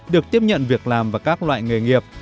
được tiếp nhận việc làm và các loại nghề nghiệp